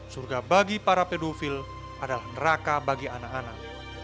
surga bagi para pedofil adalah neraka bagi anak anak